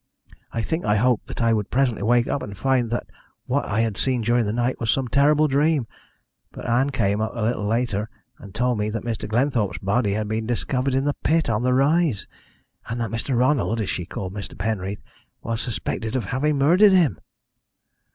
I think I hoped that I would presently wake up and find that what I had seen during the night was some terrible dream. But Ann came up a little later and told me that Mr. Glenthorpe's body had been discovered in the pit on the rise, and that Mr. Ronald, as she called Mr. Penreath, was suspected of having murdered him.